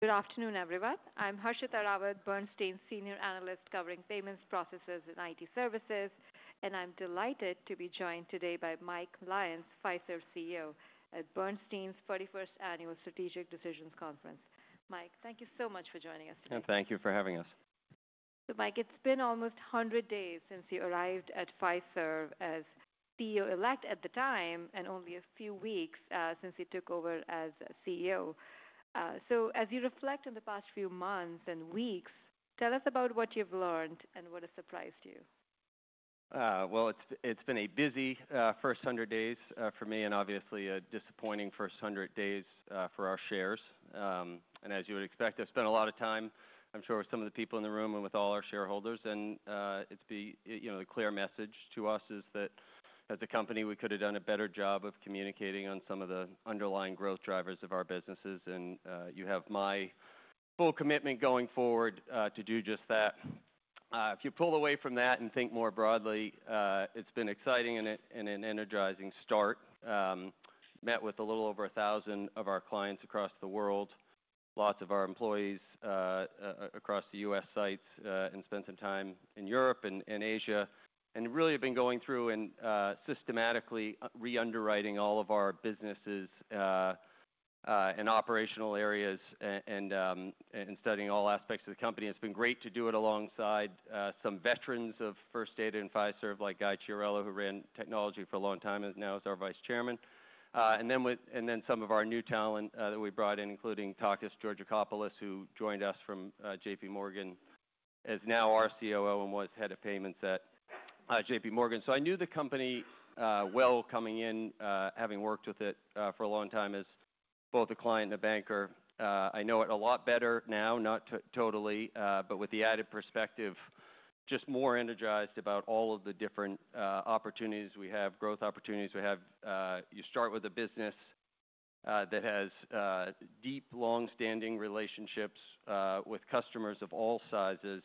Good afternoon, everyone. I'm Harshita Rawat, Bernstein's senior analyst covering payments processes and IT services, and I'm delighted to be joined today by Mike Lyons, Fiserv CEO, at Bernstein's 41st Annual Strategic Decisions Conference. Mike, thank you so much for joining us today. Thank you for having us. Mike, it's been almost 100 days since you arrived at Fiserv as CEO-elect at the time, and only a few weeks since you took over as CEO. As you reflect on the past few months and weeks, tell us about what you've learned and what has surprised you? It has been a busy first 100 days for me, and obviously a disappointing first 100 days for our shares. As you would expect, I have spent a lot of time, I am sure, with some of the people in the room and with all our shareholders. The clear message to us is that, as a company, we could have done a better job of communicating on some of the underlying growth drivers of our businesses. You have my full commitment going forward to do just that. If you pull away from that and think more broadly, it has been an exciting and an energizing start. I met with a little over 1,000 of our clients across the world, lots of our employees across the U.S. sites, and spent some time in Europe and Asia, and really have been going through and systematically re-underwriting all of our businesses and operational areas and studying all aspects of the company. It has been great to do it alongside some veterans of First Data and Fiserv, like Guy Chiarello, who ran technology for a long time and is now our Vice Chairman. Then some of our new talent that we brought in, including Takis Georgakopoulos, who joined us from JPMorgan, is now our COO and was head of payments at JPMorgan. I knew the company well coming in, having worked with it for a long time as both a client and a banker. I know it a lot better now, not totally, but with the added perspective, just more energized about all of the different opportunities we have, growth opportunities we have. You start with a business that has deep, long-standing relationships with customers of all sizes,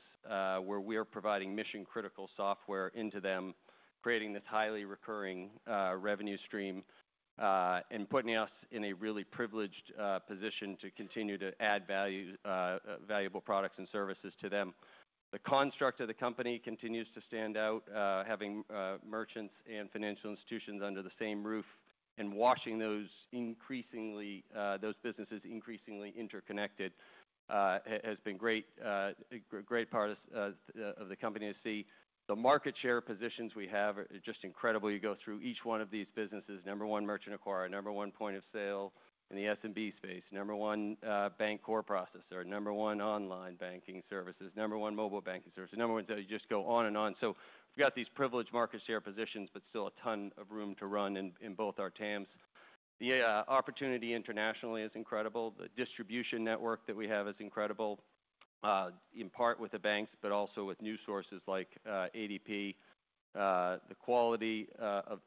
where we are providing mission-critical software into them, creating this highly recurring revenue stream and putting us in a really privileged position to continue to add valuable products and services to them. The construct of the company continues to stand out, having merchants and financial institutions under the same roof and watching those businesses increasingly interconnected has been a great part of the company to see. The market share positions we have are just incredible. You go through each one of these businesses: number one merchant acquirer, number one point of sale in the SMB space, number one bank core processor, number one online banking services, number one mobile banking services, number one—so you just go on and on. We've got these privileged market share positions, but still a ton of room to run in both our TAMs. The opportunity internationally is incredible. The distribution network that we have is incredible, in part with the banks, but also with new sources like ADP. The quality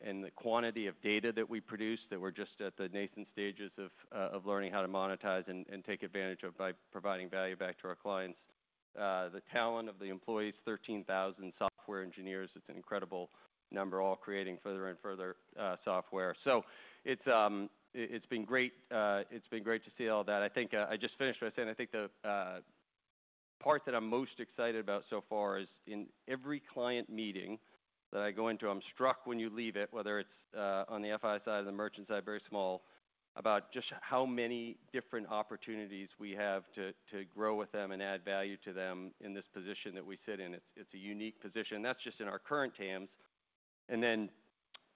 and the quantity of data that we produce that we're just at the nascent stages of learning how to monetize and take advantage of by providing value back to our clients. The talent of the employees: 13,000 software engineers. It's an incredible number, all creating further and further software. It's been great to see all that. I think I just finished by saying I think the part that I'm most excited about so far is in every client meeting that I go into, I'm struck when you leave it, whether it's on the FI side or the merchant side, very small, about just how many different opportunities we have to grow with them and add value to them in this position that we sit in. It's a unique position. That's just in our current TAMs.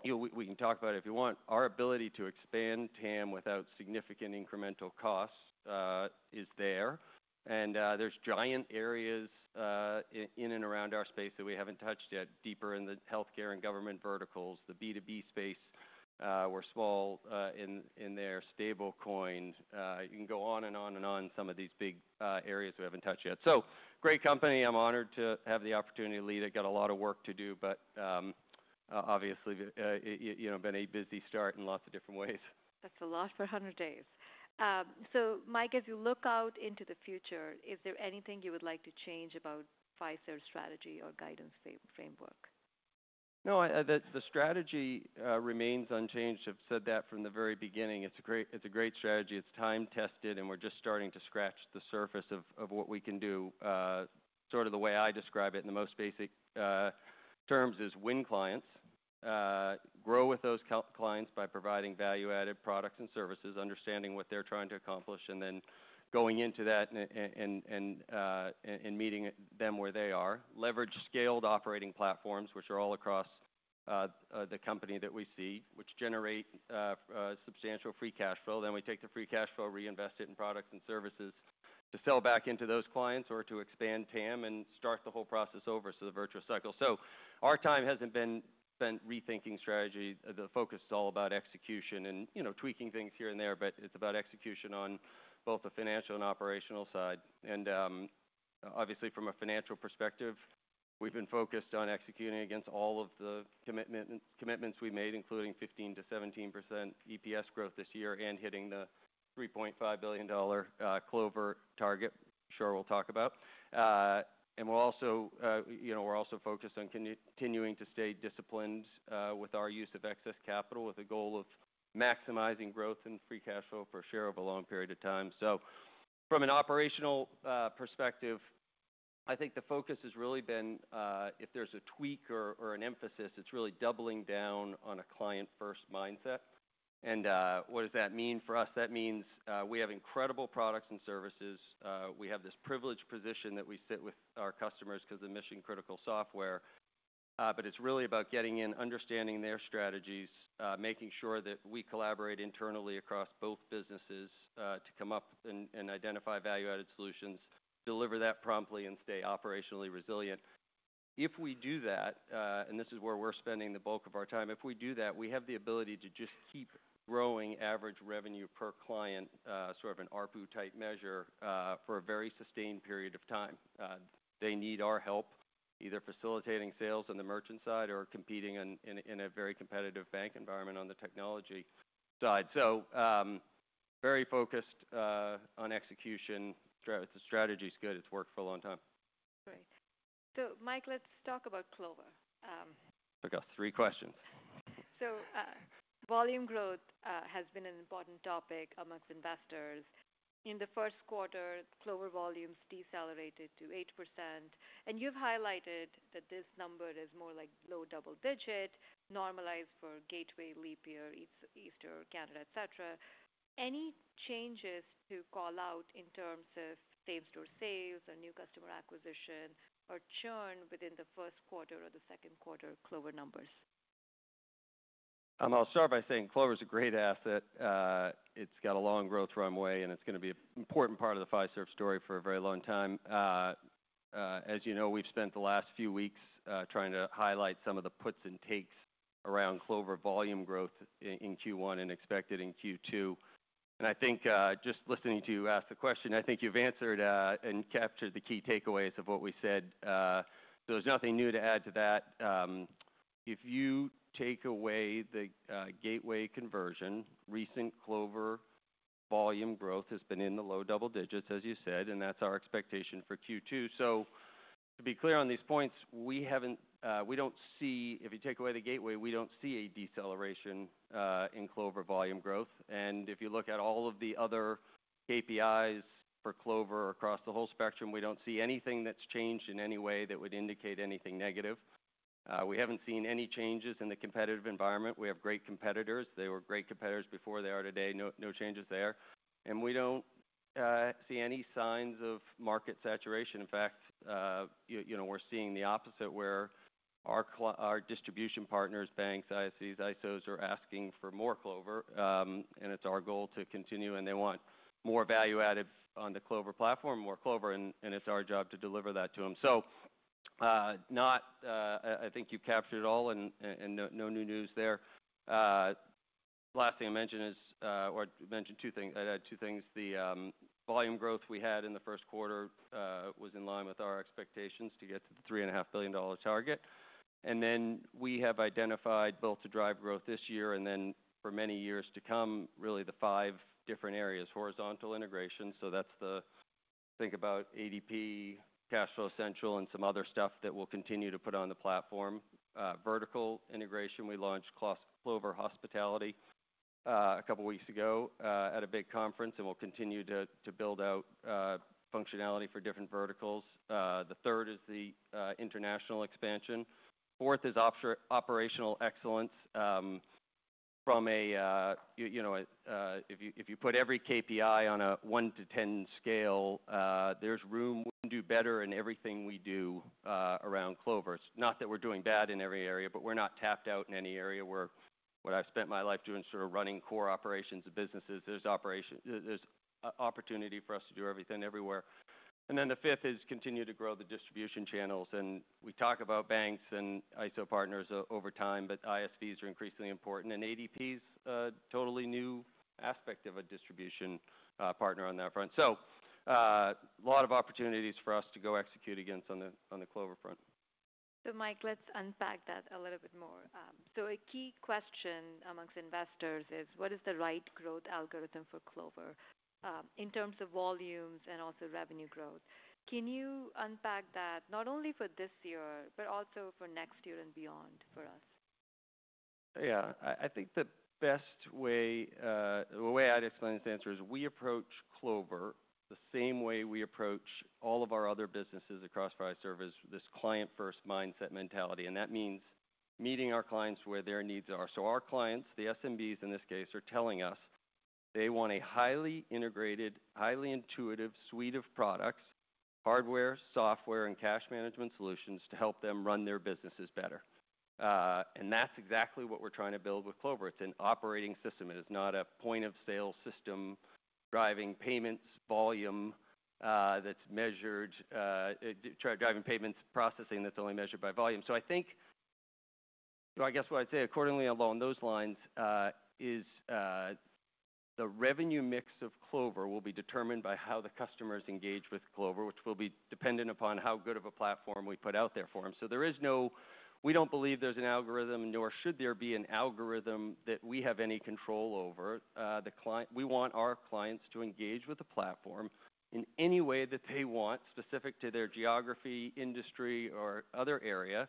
We can talk about it if you want. Our ability to expand TAM without significant incremental costs is there. There are giant areas in and around our space that we haven't touched yet, deeper in the healthcare and government verticals, the B2B space. We're small in there, stablecoin. You can go on and on and on, some of these big areas we haven't touched yet. Great company. I'm honored to have the opportunity to lead it. Got a lot of work to do, but obviously been a busy start in lots of different ways. That's a lot for 100 days. Mike, as you look out into the future, is there anything you would like to change about Fiserv's strategy or guidance framework? No, the strategy remains unchanged. I've said that from the very beginning. It's a great strategy. It's time-tested, and we're just starting to scratch the surface of what we can do. Sort of the way I describe it in the most basic terms is win clients, grow with those clients by providing value-added products and services, understanding what they're trying to accomplish, and then going into that and meeting them where they are. Leverage scaled operating platforms, which are all across the company that we see, which generate substantial free cash flow. We take the free cash flow, reinvest it in products and services to sell back into those clients or to expand TAM and start the whole process over, the virtuous cycle. Our time hasn't been spent rethinking strategy. The focus is all about execution and tweaking things here and there, but it's about execution on both the financial and operational side. Obviously, from a financial perspective, we've been focused on executing against all of the commitments we made, including 15%-17% EPS growth this year and hitting the $3.5 billion Clover target, which I'm sure we'll talk about. We're also focused on continuing to stay disciplined with our use of excess capital, with a goal of maximizing growth and free cash flow per share over a long period of time. From an operational perspective, I think the focus has really been, if there's a tweak or an emphasis, it's really doubling down on a client-first mindset. What does that mean for us? That means we have incredible products and services. We have this privileged position that we sit with our customers because of the mission-critical software. It is really about getting in, understanding their strategies, making sure that we collaborate internally across both businesses to come up and identify value-added solutions, deliver that promptly, and stay operationally resilient. If we do that, and this is where we're spending the bulk of our time, if we do that, we have the ability to just keep growing average revenue per client, sort of an ARPU-type measure, for a very sustained period of time. They need our help, either facilitating sales on the merchant side or competing in a very competitive bank environment on the technology side. Very focused on execution. The strategy is good. It has worked for a long time. Great. Mike, let's talk about Clover. I've got three questions. Volume growth has been an important topic amongst investors. In the first quarter, Clover volumes decelerated to 8%. You have highlighted that this number is more like low double-digit, normalized for Gateway, Leap Year, Easter, Canada, et cetera. Any changes to call out in terms of same-store sales or new customer acquisition or churn within the first quarter or the second quarter Clover numbers? I'll start by saying Clover is a great asset. It's got a long growth runway, and it's going to be an important part of the Fiserv story for a very long time. As you know, we've spent the last few weeks trying to highlight some of the puts and takes around Clover volume growth in Q1 and expected in Q2. I think just listening to you ask the question, I think you've answered and captured the key takeaways of what we said. There's nothing new to add to that. If you take away the Gateway conversion, recent Clover volume growth has been in the low double-digits, as you said, and that's our expectation for Q2. To be clear on these points, we don't see—if you take away the Gateway, we don't see a deceleration in Clover volume growth. If you look at all of the other KPIs for Clover across the whole spectrum, we do not see anything that has changed in any way that would indicate anything negative. We have not seen any changes in the competitive environment. We have great competitors. They were great competitors before, they are today. No changes there. We do not see any signs of market saturation. In fact, we are seeing the opposite, where our distribution partners, banks, ISEs, ISOs, are asking for more Clover, and it is our goal to continue. They want more value-added on the Clover platform, more Clover, and it is our job to deliver that to them. I think you have captured it all, and no new news there. Last thing I mentioned is—I mentioned two things. I would add two things. The volume growth we had in the first quarter was in line with our expectations to get to the $3.5 billion target. Then we have identified both to drive growth this year and for many years to come, really the five different areas: horizontal integration—so that is the—think about ADP, CashFlow Central, and some other stuff that we will continue to put on the platform. Vertical integration: we launched Clover Hospitality a couple of weeks ago at a big conference, and we will continue to build out functionality for different verticals. The third is the international expansion. Fourth is operational excellence. From a—if you put every KPI on a 1-10 scale, there is room we can do better in everything we do around Clover. It is not that we are doing bad in every area, but we are not tapped out in any area. What I've spent my life doing, sort of running core operations of businesses. There's opportunity for us to do everything everywhere. The fifth is continue to grow the distribution channels. We talk about banks and ISO partners over time, but ISVs are increasingly important. ADP is a totally new aspect of a distribution partner on that front. A lot of opportunities for us to go execute against on the Clover front. Mike, let's unpack that a little bit more. A key question amongst investors is, what is the right growth algorithm for Clover in terms of volumes and also revenue growth? Can you unpack that not only for this year, but also for next year and beyond for us? Yeah. I think the best way—the way I'd explain this answer is we approach Clover the same way we approach all of our other businesses across Fiserv: this client-first mindset mentality. That means meeting our clients where their needs are. Our clients, the SMBs in this case, are telling us they want a highly integrated, highly intuitive suite of products: hardware, software, and cash management solutions to help them run their businesses better. That's exactly what we're trying to build with Clover. It's an operating system. It is not a point-of-sale system driving payments volume that's measured—driving payments processing that's only measured by volume. I think—I guess what I'd say, accordingly along those lines, is the revenue mix of Clover will be determined by how the customers engage with Clover, which will be dependent upon how good of a platform we put out there for them. There is no—we don't believe there's an algorithm, nor should there be an algorithm that we have any control over. We want our clients to engage with the platform in any way that they want, specific to their geography, industry, or other area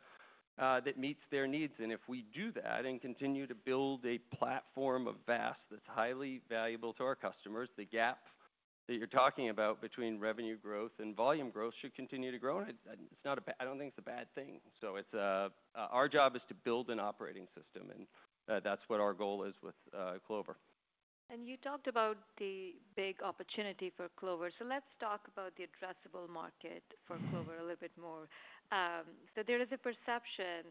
that meets their needs. If we do that and continue to build a platform of VAS that's highly valuable to our customers, the gap that you're talking about between revenue growth and volume growth should continue to grow. It's not a—I don't think it's a bad thing. Our job is to build an operating system, and that's what our goal is with Clover. You talked about the big opportunity for Clover. Let's talk about the addressable market for Clover a little bit more. There is a perception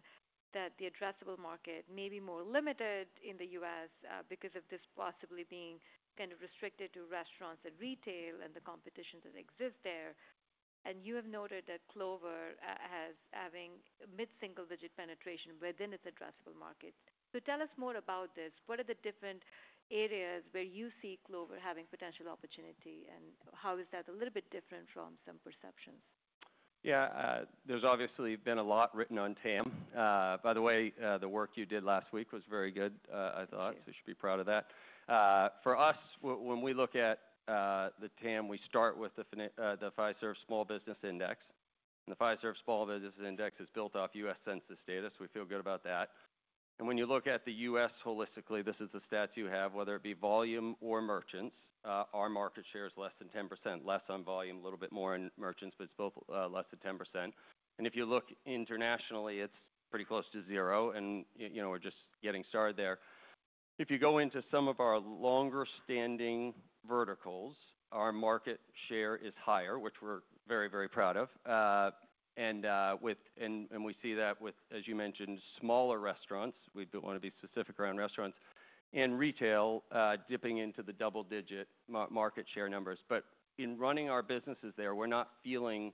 that the addressable market may be more limited in the U.S. because of this possibly being kind of restricted to restaurants and retail and the competition that exists there. You have noted that Clover has a mid-single-digit penetration within its addressable markets. Tell us more about this. What are the different areas where you see Clover having potential opportunity, and how is that a little bit different from some perceptions? Yeah. There's obviously been a lot written on TAM. By the way, the work you did last week was very good, I thought. You should be proud of that. For us, when we look at the TAM, we start with the Fiserv Small Business Index. The Fiserv Small Business Index is built off U.S. census data, so we feel good about that. When you look at the U.S. holistically, this is the stats you have, whether it be volume or merchants, our market share is less than 10%. Less on volume, a little bit more in merchants, but it's both less than 10%. If you look internationally, it's pretty close to zero, and we're just getting started there. If you go into some of our longer-standing verticals, our market share is higher, which we're very, very proud of. We see that with, as you mentioned, smaller restaurants. We do not want to be specific around restaurants. Retail dipping into the double-digit market share numbers. In running our businesses there, we are not feeling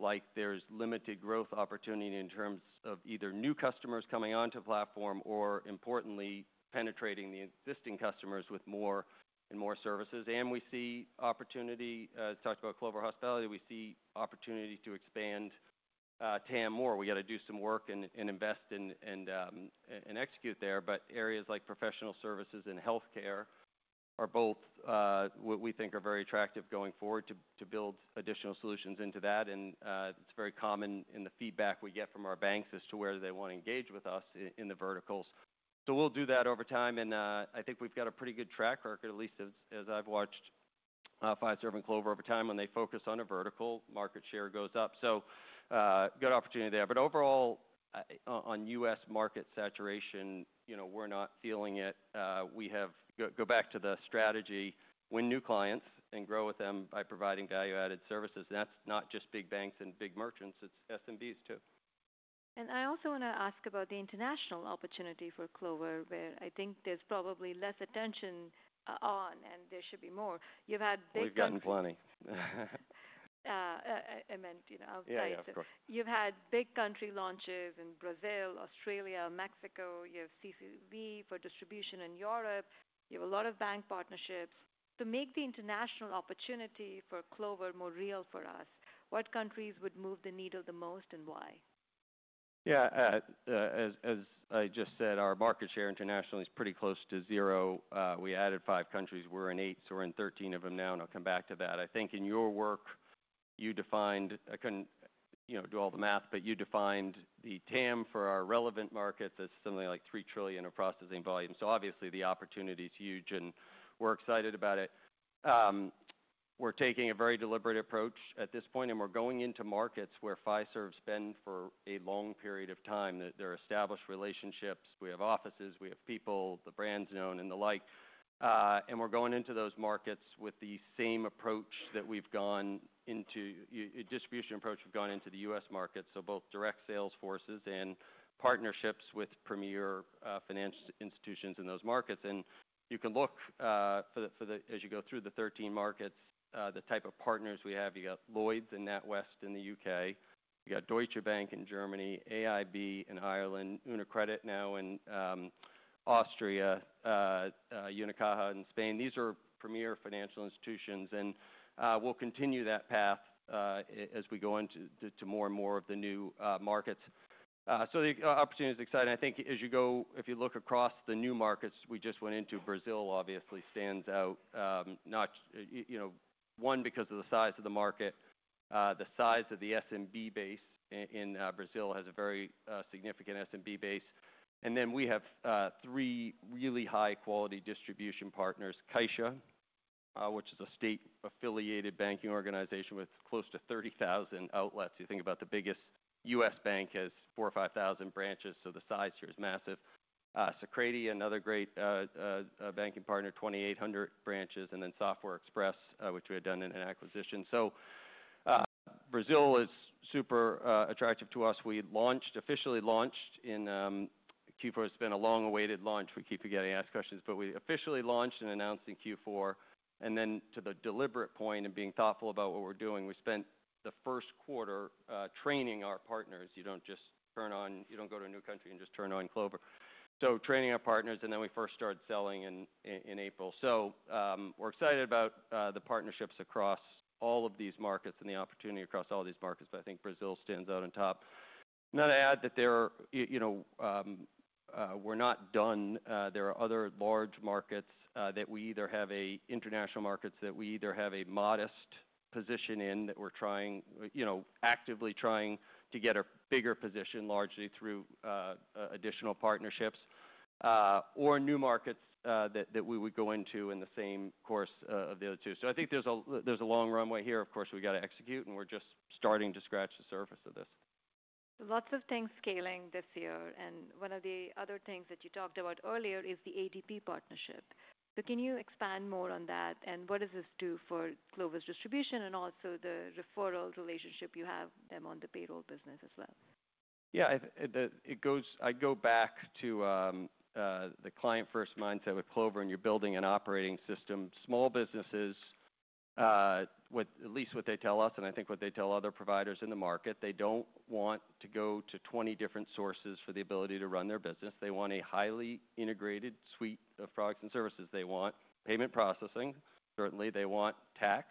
like there is limited growth opportunity in terms of either new customers coming onto the platform or, importantly, penetrating the existing customers with more and more services. We see opportunity—talked about Clover Hospitality—we see opportunity to expand TAM more. We have to do some work and invest and execute there. Areas like professional services and healthcare are both what we think are very attractive going forward to build additional solutions into that. It is very common in the feedback we get from our banks as to where they want to engage with us in the verticals. We will do that over time. I think we've got a pretty good track record, at least as I've watched Fiserv and Clover over time. When they focus on a vertical, market share goes up. Good opportunity there. Overall, on U.S. market saturation, we're not feeling it. We have—go back to the strategy—win new clients and grow with them by providing value-added services. That's not just big banks and big merchants. It's SMBs too. I also want to ask about the international opportunity for Clover, where I think there's probably less attention on, and there should be more. You've had big country— We've gotten plenty. I meant Yeah, of course. You've had big country launches in Brazil, Australia, Mexico. You have CCV for distribution in Europe. You have a lot of bank partnerships. To make the international opportunity for Clover more real for us, what countries would move the needle the most and why? Yeah. As I just said, our market share internationally is pretty close to zero. We added five countries. We're in eight, so we're in 13 of them now, and I'll come back to that. I think in your work, you defined—I couldn't do all the math, but you defined the TAM for our relevant markets as something like $3 trillion of processing volume. Obviously, the opportunity is huge, and we're excited about it. We're taking a very deliberate approach at this point, and we're going into markets where Fiserv's been for a long period of time. They're established relationships. We have offices. We have people, the brand's known, and the like. We're going into those markets with the same approach that we've gone into—a distribution approach we've gone into the U.S. markets, so both direct sales forces and partnerships with premier financial institutions in those markets. You can look for the—as you go through the 13 markets, the type of partners we have. You got Lloyds and NatWest in the U.K. You got Deutsche Bank in Germany, AIB in Ireland, UniCredit now in Austria, Unicaja in Spain. These are premier financial institutions. We will continue that path as we go into more and more of the new markets. The opportunity is exciting. I think as you go—if you look across the new markets we just went into, Brazil obviously stands out, not one because of the size of the market. The size of the SMB base in Brazil has a very significant SMB base. We have three really high-quality distribution partners: CAIXA, which is a state-affiliated banking organization with close to 30,000 outlets. You think about the biggest U.S. bank has 4,000 or 5,000 branches, so the size here is massive. Secredi, another great banking partner, 2,800 branches. And then Software Express, which we had done in an acquisition. Brazil is super attractive to us. We launched—officially launched in Q4. It has been a long-awaited launch. We keep getting asked questions. We officially launched and announced in Q4. To the deliberate point and being thoughtful about what we are doing, we spent the first quarter training our partners. You do not just turn on—you do not go to a new country and just turn on Clover. Training our partners, and then we first started selling in April. We are excited about the partnerships across all of these markets and the opportunity across all these markets. I think Brazil stands out on top. Not to add that we are not done. There are other large markets that we either have a—international markets that we either have a modest position in that we're trying—actively trying to get a bigger position, largely through additional partnerships, or new markets that we would go into in the same course of the other two. I think there's a long runway here. Of course, we got to execute, and we're just starting to scratch the surface of this. Lots of things scaling this year. One of the other things that you talked about earlier is the ADP partnership. Can you expand more on that, and what does this do for Clover's distribution and also the referral relationship you have with them on the payroll business as well? Yeah. I go back to the client-first mindset with Clover, and you're building an operating system. Small businesses, at least what they tell us, and I think what they tell other providers in the market, they don't want to go to 20 different sources for the ability to run their business. They want a highly integrated suite of products and services. They want payment processing, certainly. They want tax.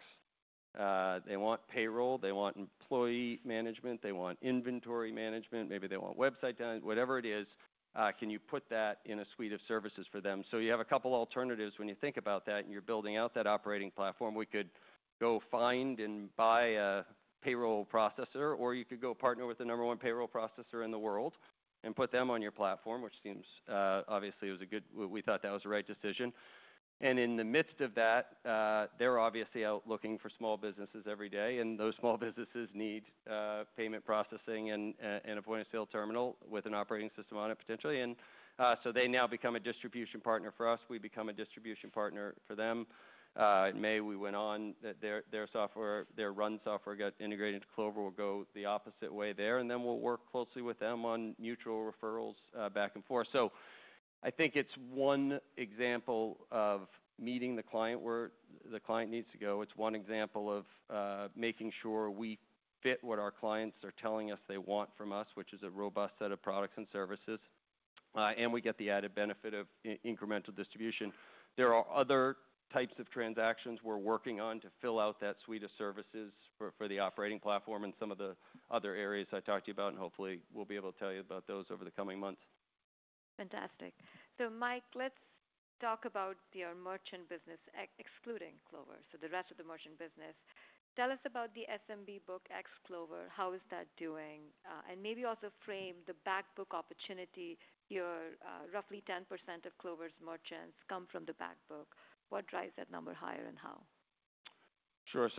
They want payroll. They want employee management. They want inventory management. Maybe they want website down. Whatever it is, can you put that in a suite of services for them? You have a couple of alternatives when you think about that, and you're building out that operating platform. We could go find and buy a payroll processor, or you could go partner with the number one payroll processor in the world and put them on your platform, which seems obviously it was a good—we thought that was the right decision. In the midst of that, they're obviously out looking for small businesses every day, and those small businesses need payment processing and a point-of-sale terminal with an operating system on it, potentially. They now become a distribution partner for us. We become a distribution partner for them. In May, we went on. Their software—their RUN software got integrated. Clover go the opposite way there, and then we'll work closely with them on mutual referrals back and forth. I think it's one example of meeting the client where the client needs to go. It's one example of making sure we fit what our clients are telling us they want from us, which is a robust set of products and services. We get the added benefit of incremental distribution. There are other types of transactions we're working on to fill out that suite of services for the operating platform and some of the other areas I talked to you about, and hopefully, we'll be able to tell you about those over the coming months. Fantastic. Mike, let's talk about your merchant business, excluding Clover, so the rest of the merchant business. Tell us about the SMB book ex-Clover. How is that doing? Maybe also frame the backbook opportunity. Roughly 10% of Clover's merchants come from the backbook. What drives that number higher, and how? Sure.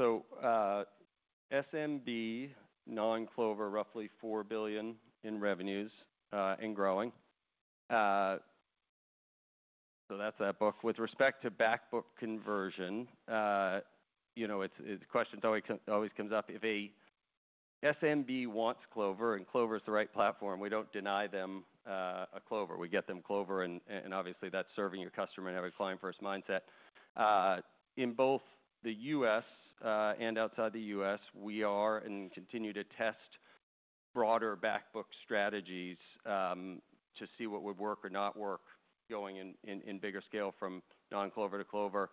SMB non-Clover, roughly $4 billion in revenues and growing. That's that book. With respect to backbook conversion, the question always comes up. If an SMB wants Clover, and Clover's the right platform, we don't deny them a Clover. We get them Clover, and obviously, that's serving your customer in a very client-first mindset. In both the U.S. and outside the U.S., we are and continue to test broader backbook strategies to see what would work or not work going in bigger scale from non-Clover to Clover.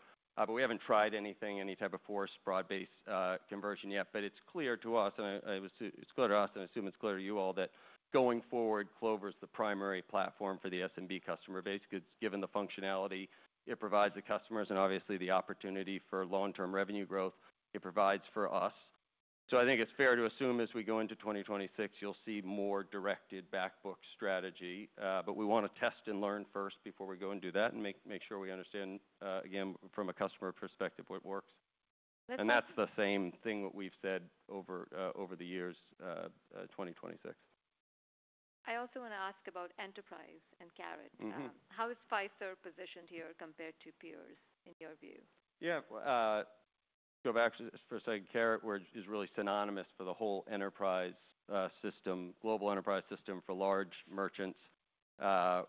We haven't tried anything, any type of force broad-based conversion yet. It's clear to us, and I assume it's clear to you all that going forward, Clover's the primary platform for the SMB customer base, given the functionality it provides the customers and obviously the opportunity for long-term revenue growth it provides for us. I think it's fair to assume as we go into 2026, you'll see more directed backbook strategy. We want to test and learn first before we go and do that and make sure we understand, again, from a customer perspective, what works. That's the same thing that we've said over the years 2026. I also want to ask about Enterprise and Carat. How is Fiserv positioned here compared to peers, in your view? Yeah. Let's go back for a second. Carat is really synonymous for the whole Enterprise system, global Enterprise system for large merchants.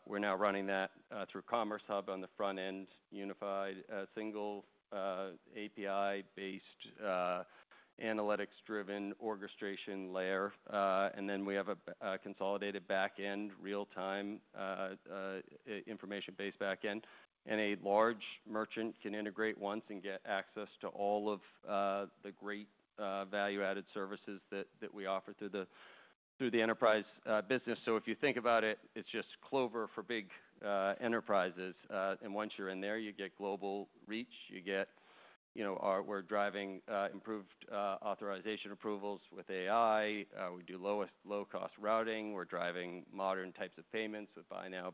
We're now running that through Commerce Hub on the front-end, unified single API-based analytics-driven orchestration layer. Then we have a consolidated backend, real-time information-based backend. A large merchant can integrate once and get access to all of the great value-added services that we offer through the Enterprise business. If you think about it, it's just Clover for big enterprises. Once you're in there, you get global reach. We're driving improved authorization approvals with AI. We do low-cost routing. We're driving modern types of payments with buy now,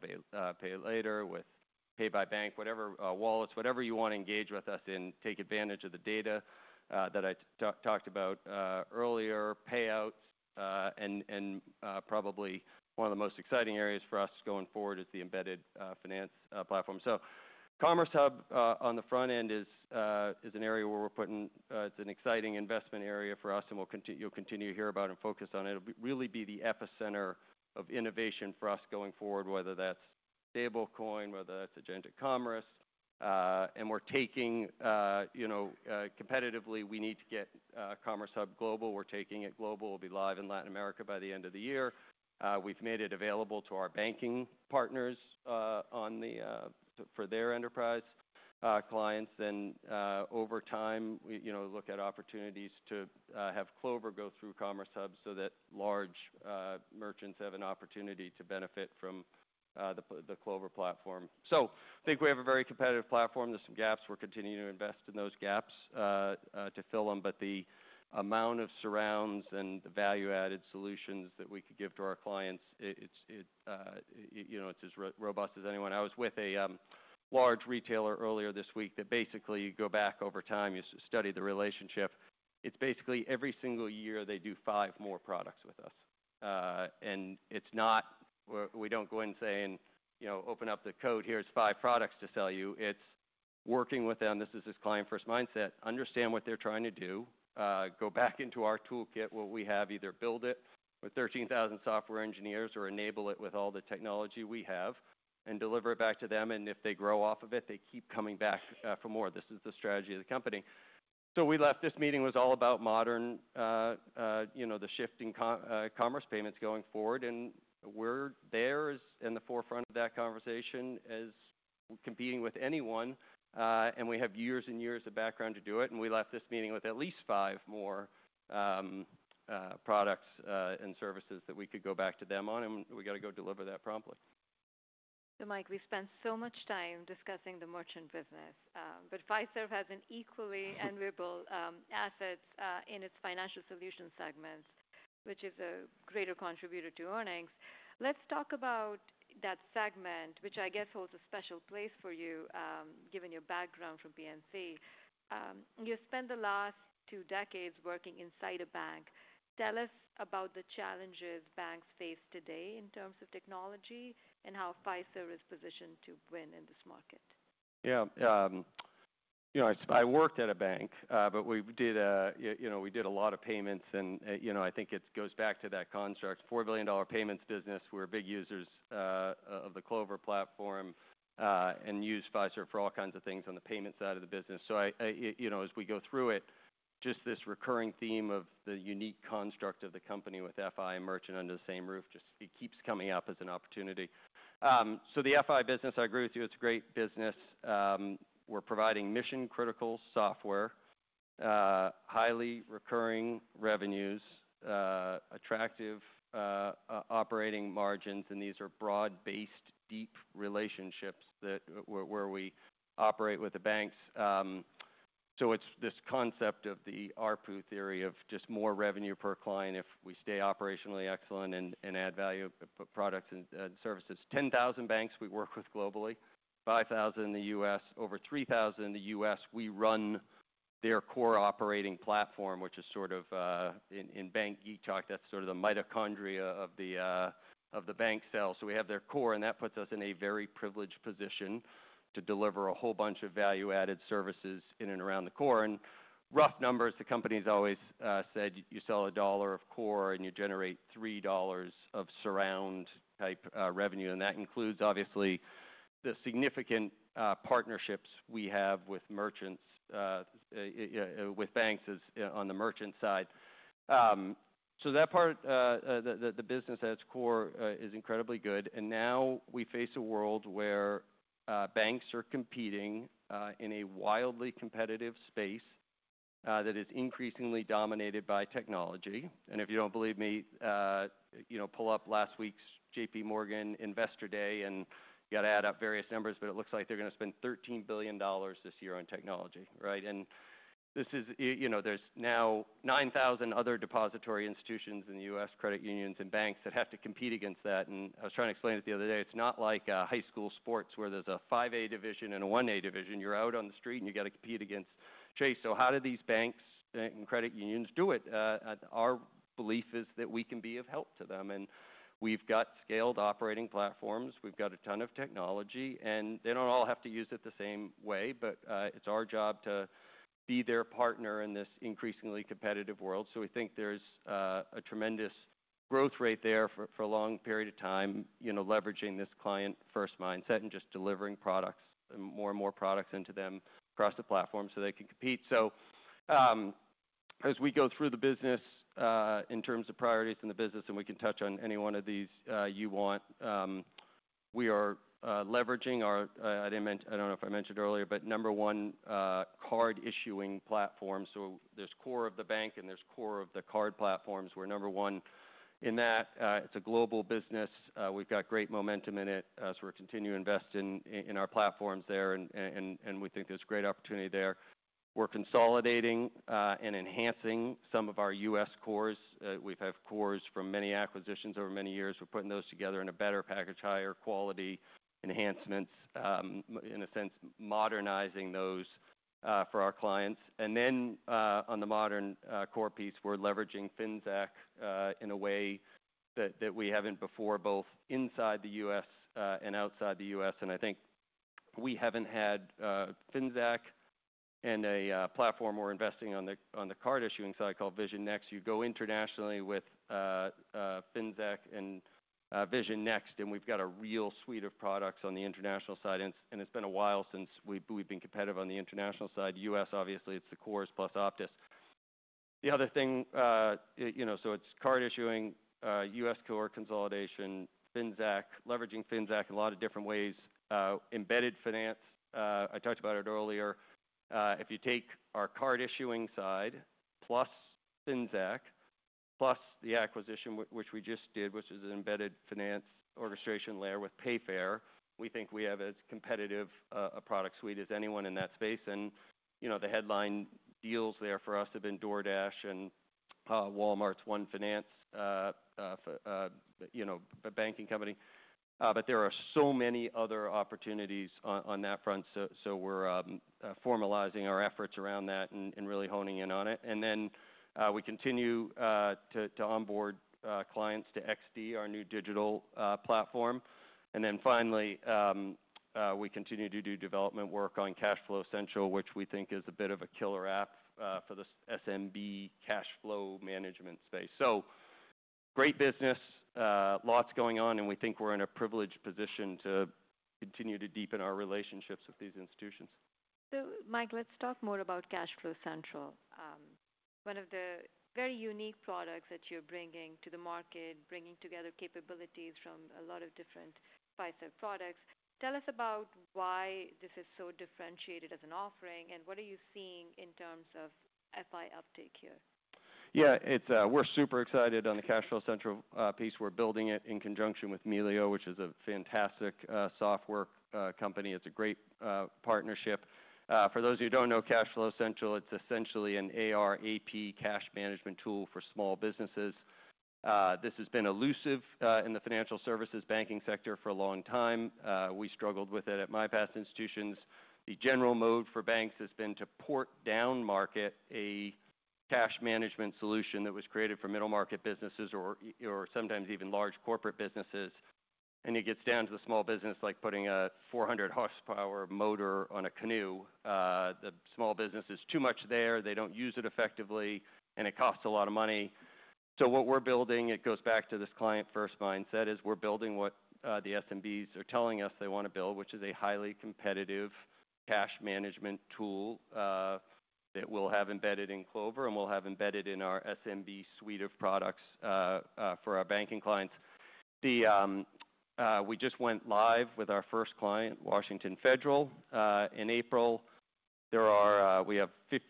pay later, with pay by bank, wallets, whatever you want to engage with us and take advantage of the data that I talked about earlier, payouts. Probably one of the most exciting areas for us going forward is the embedded finance platform. Commerce Hub on the front-end is an area where we're putting—it's an exciting investment area for us, and you'll continue to hear about and focus on it. It will really be the epicenter of innovation for us going forward, whether that's stablecoin, whether that's agentic commerce. We're taking competitively, we need to get Commerce Hub global. We're taking it global. It will be live in Latin America by the end of the year. We've made it available to our banking partners for their Enterprise clients. Over time, we look at opportunities to have Clover go through Commerce Hub so that large merchants have an opportunity to benefit from the Clover platform. I think we have a very competitive platform. There are some gaps. We're continuing to invest in those gaps to fill them. The amount of surrounds and the value-added solutions that we could give to our clients, it's as robust as anyone. I was with a large retailer earlier this week that basically, you go back over time, you study the relationship. It's basically every single year they do five more products with us. It's not—we don't go in and say, and open up the code, "Here's five products to sell you." It's working with them. This is this client-first mindset. Understand what they're trying to do. Go back into our toolkit, what we have, either build it with 13,000 software engineers or enable it with all the technology we have and deliver it back to them. If they grow off of it, they keep coming back for more. This is the strategy of the company. We left this meeting. It was all about modern, the shifting commerce payments going forward. We're there in the forefront of that conversation as competing with anyone. We have years and years of background to do it. We left this meeting with at least five more products and services that we could go back to them on. We got to go deliver that promptly. Mike, we spent so much time discussing the merchant business. Fiserv has an equally enviable asset in its Financial Solutions segment, which is a greater contributor to earnings. Let's talk about that segment, which I guess holds a special place for you, given your background from PNC. You spent the last two decades working inside a bank. Tell us about the challenges banks face today in terms of technology and how Fiserv is positioned to win in this market. Yeah. I worked at a bank, but we did a lot of payments. I think it goes back to that construct, $4 billion payments business. We're big users of the Clover platform and use Fiserv for all kinds of things on the payment side of the business. As we go through it, just this recurring theme of the unique construct of the company with FI and merchant under the same roof, it keeps coming up as an opportunity. The FI business, I agree with you, it's a great business. We're providing mission-critical software, highly recurring revenues, attractive operating margins. These are broad-based, deep relationships where we operate with the banks. It's this concept of the ARPU theory of just more revenue per client if we stay operationally excellent and add value to products and services. 10,000 banks we work with globally, 5,000 in the U.S., over 3,000 in the U.S.. We run their core operating platform, which is sort of in bank geek talk, that's sort of the mitochondria of the bank cell. We have their core, and that puts us in a very privileged position to deliver a whole bunch of value-added services in and around the core. In rough numbers, the company's always said, "You sell a dollar of core and you generate $3 of surround-type revenue." That includes, obviously, the significant partnerships we have with merchants, with banks on the merchant side. That part, the business at its core, is incredibly good. Now we face a world where banks are competing in a wildly competitive space that is increasingly dominated by technology. If you do not believe me, pull up last week's JPMorgan Investor Day, and you have to add up various numbers, but it looks like they are going to spend $13 billion this year on technology, right? There are now 9,000 other depository institutions in the U.S., credit unions, and banks that have to compete against that. I was trying to explain it the other day. It is not like high school sports where there is a 5A division and a 1A division. You are out on the street, and you have to compete against Chase. How do these banks and credit unions do it? Our belief is that we can be of help to them. We have scaled operating platforms. We have a ton of technology. They do not all have to use it the same way, but it is our job to be their partner in this increasingly competitive world. We think there is a tremendous growth rate there for a long period of time, leveraging this client-first mindset and just delivering products and more and more products into them across the platform so they can compete. As we go through the business in terms of priorities in the business, and we can touch on any one of these you want, we are leveraging our—I do not know if I mentioned earlier, but number one card issuing platform. There is core of the bank, and there is core of the card platforms. We are number one in that. It is a global business. We have got great momentum in it. We are continuing to invest in our platforms there, and we think there is great opportunity there. We're consolidating and enhancing some of our U.S. cores. We've had cores from many acquisitions over many years. We're putting those together in a better package, higher quality enhancements, in a sense, modernizing those for our clients. Then on the modern core piece, we're leveraging Finxact in a way that we haven't before, both inside the U.S. and outside the U.S. I think we haven't had Finxact and a platform we're investing on the card issuing side called Vision Next. You go internationally with Finxact and Vision Next, and we've got a real suite of products on the international side. It's been a while since we've been competitive on the international side. U.S., obviously, it's the cores plus OPTUS. The other thing, it's card issuing, U.S. core consolidation, Finxact, leveraging Finxact in a lot of different ways, embedded finance. I talked about it earlier. If you take our card issuing side plus Finxact plus the acquisition, which we just did, which is an embedded finance orchestration layer with Payfare, we think we have as competitive a product suite as anyone in that space. The headline deals there for us have been DoorDash and Walmart's One Finance, a banking company. There are so many other opportunities on that front. We are formalizing our efforts around that and really honing in on it. We continue to onboard clients to XD, our new digital platform. Finally, we continue to do development work on CashFlow Central, which we think is a bit of a killer app for the SMB cash flow management space. Great business, lots going on, and we think we're in a privileged position to continue to deepen our relationships with these institutions. Mike, let's talk more about CashFlow Central. One of the very unique products that you're bringing to the market, bringing together capabilities from a lot of different Fiserv products. Tell us about why this is so differentiated as an offering and what are you seeing in terms of FI uptake here. Yeah. We're super excited on the CashFlow Central piece. We're building it in conjunction with Melio, which is a fantastic software company. It's a great partnership. For those of you who don't know CashFlow Central, it's essentially an AR/AP cash management tool for small businesses. This has been elusive in the financial services banking sector for a long time. We struggled with it at my past institutions. The general mode for banks has been to port downmarket a cash management solution that was created for middle market businesses or sometimes even large corporate businesses. It gets down to the small business, like putting a 400-horsepower motor on a canoe. The small business is too much there. They don't use it effectively, and it costs a lot of money. What we're building, it goes back to this client-first mindset, is we're building what the SMBs are telling us they want to build, which is a highly competitive cash management tool that we'll have embedded in Clover and we'll have embedded in our SMB suite of products for our banking clients. We just went live with our first client, Washington Federal, in April. We have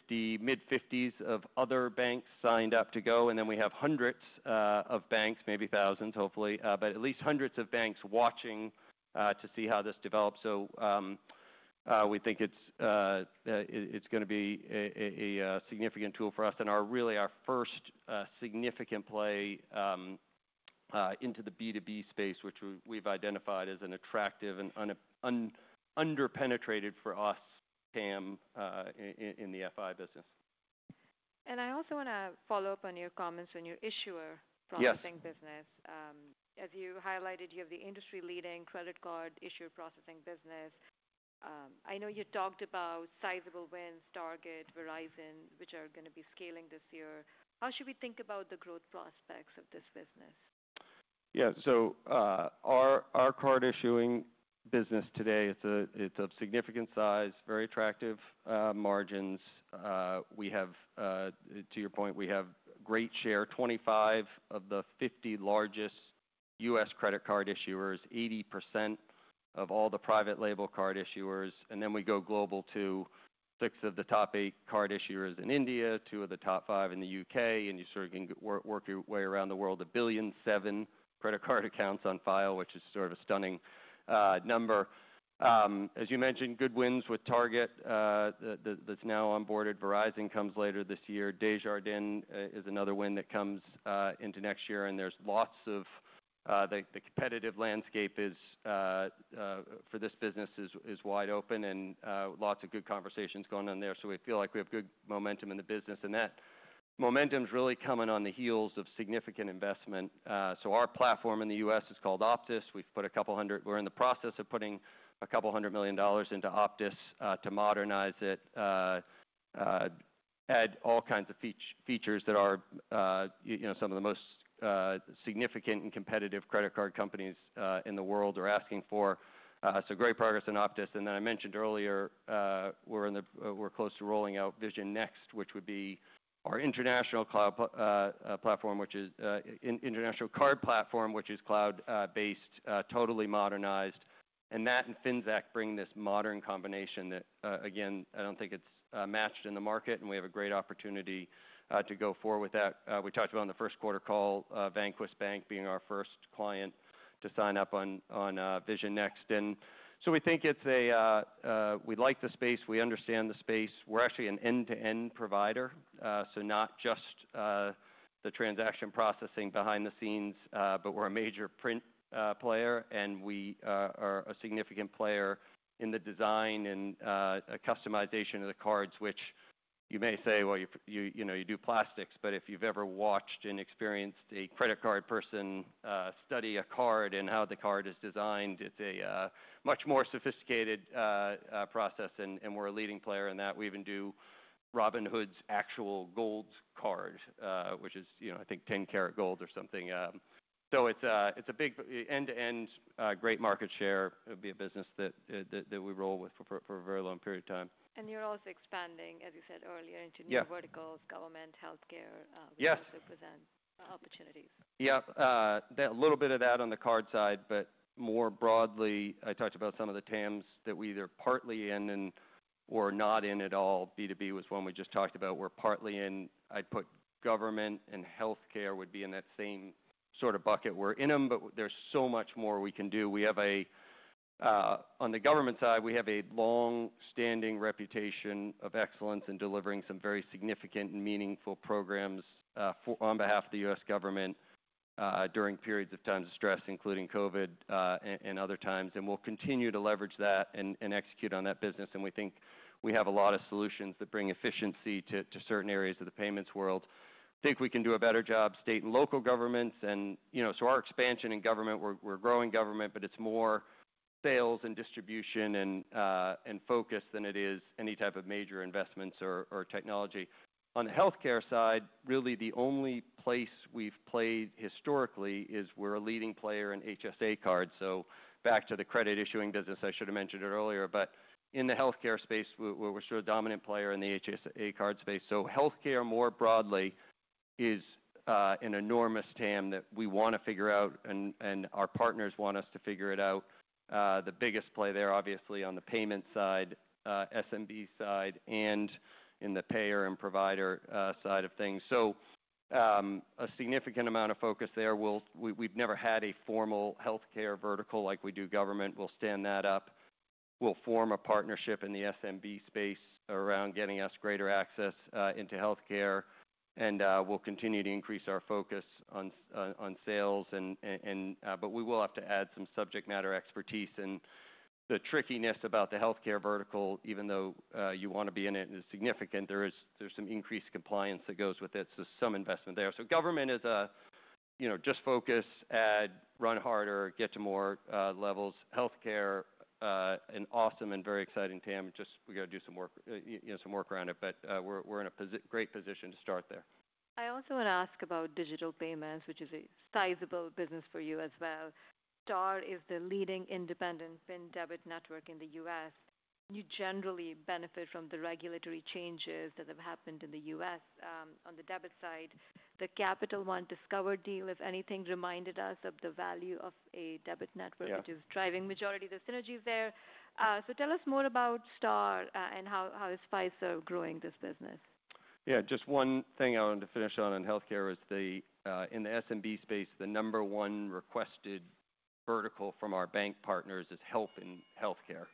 mid-50s of other banks signed up to go. We have hundreds of banks, maybe thousands, hopefully, but at least hundreds of banks watching to see how this develops. We think it's going to be a significant tool for us and really our first significant play into the B2B space, which we've identified as an attractive and underpenetrated for us TAM in the FI business. I also want to follow up on your comments on your issuer processing business. As you highlighted, you have the industry-leading credit card issuer processing business. I know you talked about sizable wins, Target, Verizon, which are going to be scaling this year. How should we think about the growth prospects of this business? Yeah. Our card issuing business today, it's of significant size, very attractive margins. To your point, we have great share, 25 of the 50 largest U.S. credit card issuers, 80% of all the private label card issuers. We go global to six of the top eight card issuers in India, two of the top five in the U.K., and you sort of can work your way around the world, a billion seven credit card accounts on file, which is sort of a stunning number. As you mentioned, good wins with Target that's now onboarded, Verizon comes later this year. Desjardins is another win that comes into next year. The competitive landscape for this business is wide open and lots of good conversations going on there. We feel like we have good momentum in the business. That momentum's really coming on the heels of significant investment. Our platform in the U.S. is called OPTUS. We've put a couple hundred—we're in the process of putting a couple hundred million dollars into OPTUS to modernize it, add all kinds of features that some of the most significant and competitive credit card companies in the world are asking for. Great progress in OPTUS. I mentioned earlier, we're close to rolling out Vision Next, which would be our international cloud platform, which is an international card platform, which is cloud-based, totally modernized. That and Finxact bring this modern combination that, again, I don't think it's matched in the market. We have a great opportunity to go forward with that. We talked about on the first quarter call, Vanquish Bank being our first client to sign up on Vision Next. We think it's a—we like the space. We understand the space. We're actually an end-to-end provider, so not just the transaction processing behind the scenes, but we're a major print player. We are a significant player in the design and customization of the cards, which you may say, well, you do plastics. If you've ever watched and experienced a credit card person study a card and how the card is designed, it's a much more sophisticated process. We're a leading player in that. We even do Robinhood's actual gold card, which is, I think, 10-carat gold or something. It's a big end-to-end, great market share. It would be a business that we roll with for a very long period of time. You're also expanding, as you said earlier, into new verticals, government, healthcare. Yes. Which represent opportunities. Yep. A little bit of that on the card side, but more broadly, I talked about some of the TAMs that we are either partly in or not in at all. B2B was one we just talked about. We are partly in. I'd put government and healthcare would be in that same sort of bucket. We are in them, but there's so much more we can do. On the government side, we have a long-standing reputation of excellence in delivering some very significant and meaningful programs on behalf of the U.S. government during periods of times of stress, including COVID and other times. We will continue to leverage that and execute on that business. We think we have a lot of solutions that bring efficiency to certain areas of the payments world. I think we can do a better job, state and local governments. Our expansion in government, we're growing government, but it's more sales and distribution and focus than it is any type of major investments or technology. On the healthcare side, really the only place we've played historically is we're a leading player in HSA cards. Back to the credit issuing business, I should have mentioned it earlier. In the healthcare space, we're a dominant player in the HSA card space. Healthcare more broadly is an enormous TAM that we want to figure out, and our partners want us to figure it out. The biggest play there, obviously, on the payment side, SMB side, and in the payer and provider side of things. A significant amount of focus there. We've never had a formal healthcare vertical like we do government. We'll stand that up. We'll form a partnership in the SMB space around getting us greater access into healthcare. We'll continue to increase our focus on sales. We will have to add some subject matter expertise. The trickiness about the healthcare vertical, even though you want to be in it, is significant. There is some increased compliance that goes with it, so some investment there. Government is just focus, add, run harder, get to more levels. Healthcare, an awesome and very exciting TAM. We got to do some work around it. We are in a great position to start there. I also want to ask about digital payments, which is a sizable business for you as well. STAR is the leading independent PIN debit network in the U.S. You generally benefit from the regulatory changes that have happened in the U.S. on the debit side. The Capital One Discover deal, if anything, reminded us of the value of a debit network, which is driving majority of the synergies there. Tell us more about STAR and how is Fiserv growing this business. Yeah. Just one thing I wanted to finish on in healthcare is in the SMB space, the number one requested vertical from our bank partners is health and healthcare.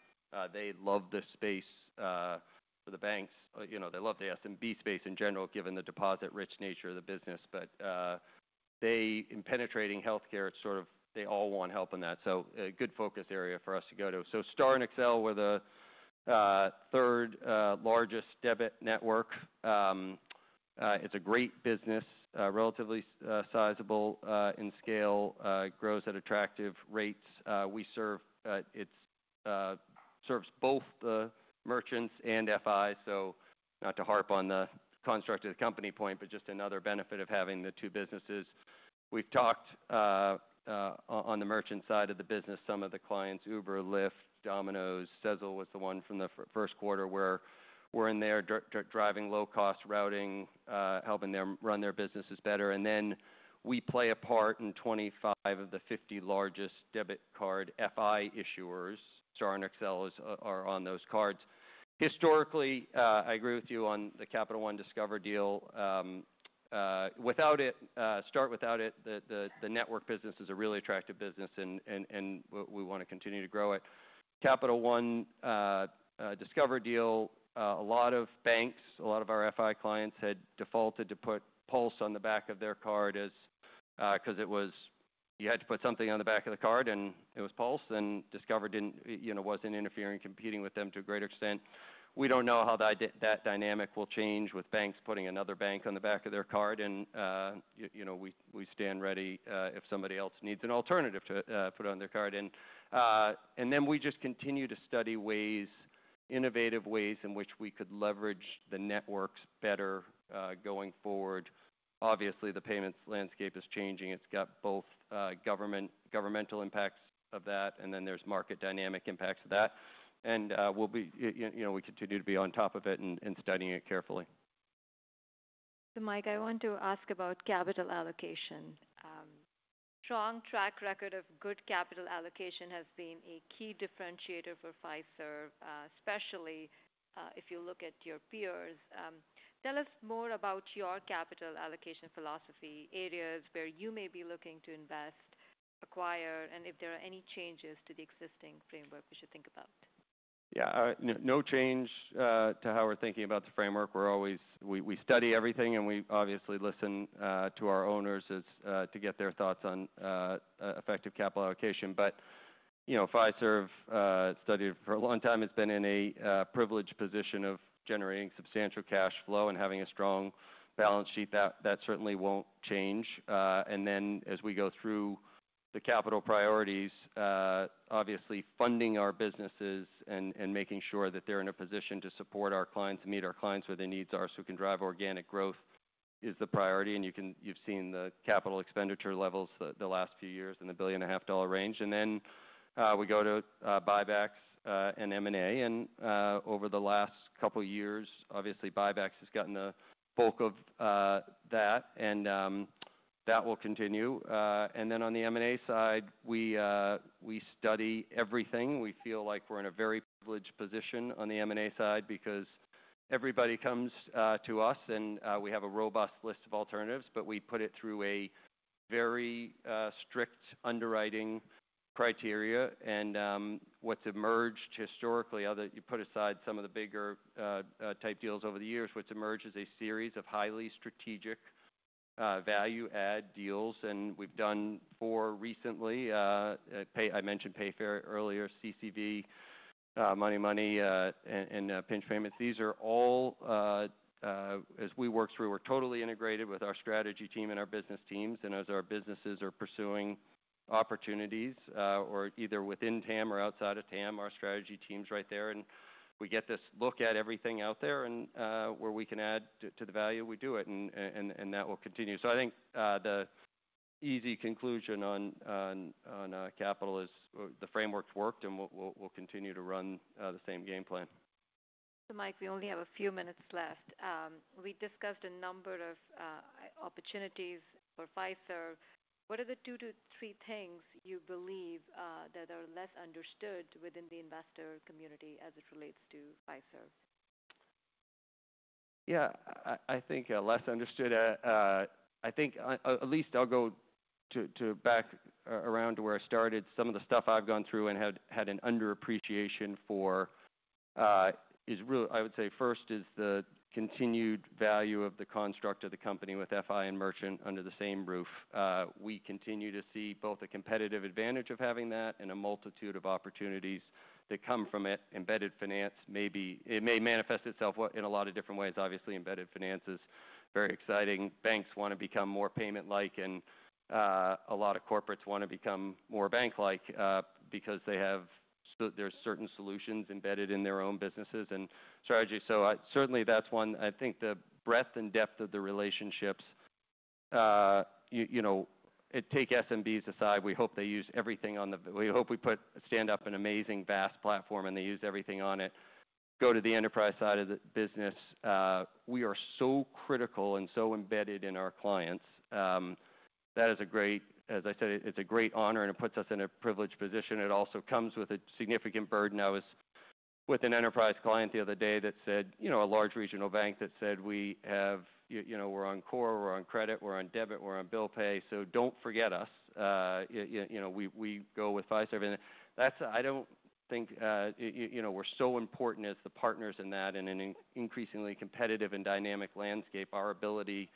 They love this space for the banks. They love the SMB space in general, given the deposit-rich nature of the business. In penetrating healthcare, it's sort of they all want help in that. A good focus area for us to go to. STAR and Excel were the third largest debit network. It's a great business, relatively sizable in scale, grows at attractive rates. It serves both the merchants and FIs. Not to harp on the construct of the company point, but just another benefit of having the two businesses. We've talked on the merchant side of the business, some of the clients, Uber, Lyft, Domino's, CAIXA was the one from the first quarter where we're in there driving low-cost routing, helping them run their businesses better. Then we play a part in 25 of the 50 largest debit card FI issuers. STAR and Excel are on those cards. Historically, I agree with you on the Capital One Discover deal. Without it, the network business is a really attractive business, and we want to continue to grow it. Capital One Discover deal, a lot of banks, a lot of our FI clients had defaulted to put PULSE on the back of their card because you had to put something on the back of the card, and it was PULSE. Discover was not interfering, competing with them to a greater extent. We do not know how that dynamic will change with banks putting another bank on the back of their card. We stand ready if somebody else needs an alternative to put on their card. We just continue to study ways, innovative ways in which we could leverage the networks better going forward. Obviously, the payments landscape is changing. It has both governmental impacts of that, and then there are market dynamic impacts of that. We continue to be on top of it and studying it carefully. Mike, I want to ask about capital allocation. Strong track record of good capital allocation has been a key differentiator for Fiserv, especially if you look at your peers. Tell us more about your capital allocation philosophy, areas where you may be looking to invest, acquire, and if there are any changes to the existing framework we should think about. Yeah. No change to how we're thinking about the framework. We study everything, and we obviously listen to our owners to get their thoughts on effective capital allocation. But Fiserv, studied for a long time, has been in a privileged position of generating substantial cash flow and having a strong balance sheet. That certainly will not change. As we go through the capital priorities, obviously funding our businesses and making sure that they're in a position to support our clients and meet our clients where their needs are so we can drive organic growth is the priority. You have seen the capital expenditure levels the last few years in the $1.5 billion range. We go to buybacks and M&A. Over the last couple of years, obviously buybacks has gotten the bulk of that, and that will continue. On the M&A side, we study everything. We feel like we're in a very privileged position on the M&A side because everybody comes to us, and we have a robust list of alternatives, but we put it through a very strict underwriting criteria. What's emerged historically, you put aside some of the bigger type deals over the years, what's emerged is a series of highly strategic value-add deals. We've done four recently. I mentioned Payfare earlier, CCV, Money Money, and Pinch Payments. These are all, as we work through, we're totally integrated with our strategy team and our business teams. As our businesses are pursuing opportunities, either within TAM or outside of TAM, our strategy team's right there. We get this look at everything out there and where we can add to the value, we do it, and that will continue. I think the easy conclusion on capital is the framework's worked and we'll continue to run the same game plan. Mike, we only have a few minutes left. We discussed a number of opportunities for Fiserv. What are the two to three things you believe that are less understood within the investor community as it relates to Fiserv? Yeah. I think less understood. I think at least I'll go back around to where I started. Some of the stuff I've gone through and had an underappreciation for is really, I would say first is the continued value of the construct of the company with FI and merchant under the same roof. We continue to see both a competitive advantage of having that and a multitude of opportunities that come from it. Embedded finance, it may manifest itself in a lot of different ways, obviously. Embedded finance is very exciting. Banks want to become more payment-like, and a lot of corporates want to become more bank-like because there's certain solutions embedded in their own businesses and strategy. Certainly that's one. I think the breadth and depth of the relationships, take SMBs aside, we hope they use everything on the—we hope we stand up an amazing, vast platform and they use everything on it. Go to the enterprise side of the business. We are so critical and so embedded in our clients. That is a great—as I said, it's a great honor, and it puts us in a privileged position. It also comes with a significant burden. I was with an enterprise client the other day that said, a large regional bank that said, "We're on core, we're on credit, we're on debit, we're on bill pay. So, don't forget us. We go with Fiserv. I do not think we are so important as the partners in that, and in an increasingly competitive and dynamic landscape, our ability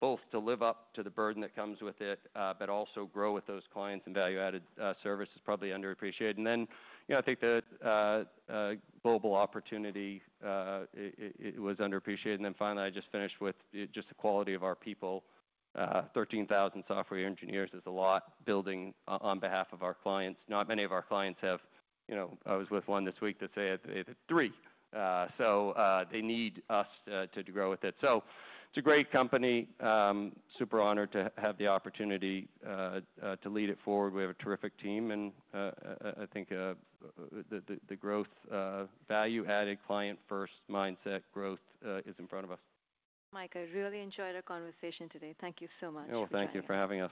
both to live up to the burden that comes with it, but also grow with those clients and value-added service is probably underappreciated. I think the global opportunity was underappreciated. Finally, I just finished with just the quality of our people. 13,000 software engineers is a lot building on behalf of our clients. Not many of our clients have—I was with one this week that said they had three. They need us to grow with it. It is a great company. Super honored to have the opportunity to lead it forward. We have a terrific team. I think the growth, value-added, client-first mindset growth is in front of us. Mike, I really enjoyed our conversation today. Thank you so much. Thank you for having us.